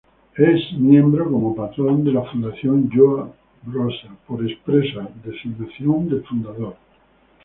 Es miembro, como patrón, de la Fundación Joan Brossa por expresa designación del fundador.